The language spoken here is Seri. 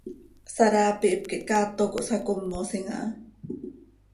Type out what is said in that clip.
Saraapi hipquih cato cohsacómosim aha.